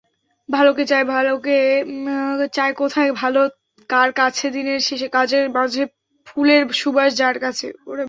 ভালোকে চায়, ভালোকে চায়কোথায় ভালো, কার কাছেদিনের শেষে কাজের মাঝেফুলের সুবাস যার কাছে।